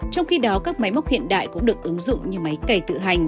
trong khi đó các máy móc hiện đại cũng được ứng dụng như máy cày tự hành